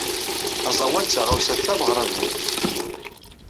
Aẓawan d taɣawsa tameɣradant.